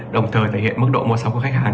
đồng thời thể hiện mức độ mua sắm của khách hàng